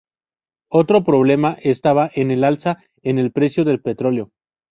Otro problema estaba el alza en el precio del petróleo.